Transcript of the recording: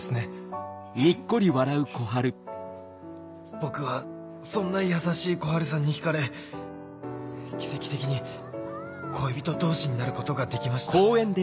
僕はそんな優しい小春さんに引かれ奇跡的に恋人同士になることができました